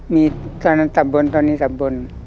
มีตอนนั้นตำบลตอนนี้ตำบล